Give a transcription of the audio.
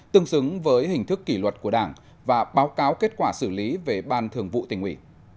tương xứng với hình thức kỷ luật của đảng và báo cáo kết quả xử lý về ban thường vụ tỉnh ủy